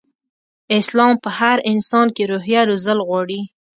اسلام په هر انسان کې روحيه روزل غواړي.